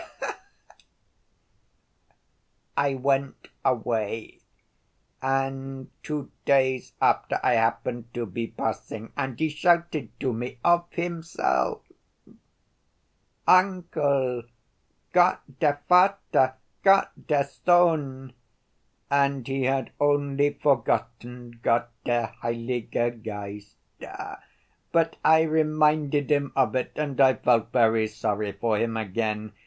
I went away, and two days after I happened to be passing, and he shouted to me of himself, 'Uncle, Gott der Vater, Gott der Sohn,' and he had only forgotten 'Gott der heilige Geist.' But I reminded him of it and I felt very sorry for him again.